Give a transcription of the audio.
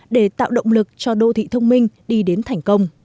để tạo động lực cho đô thị thông minh đi đến thành công